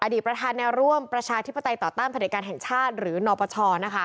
อดีตประธานร่วมประชาธิปไตยต่อต้านประเทศการแห่งชาติหรือนปชนะคะ